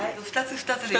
２つ２つで。